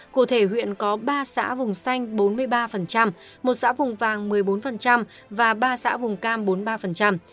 cụ thể huyện có ba xã vùng xanh bốn mươi ba một xã vùng vàng một mươi bốn và ba xã vùng cam bốn mươi ba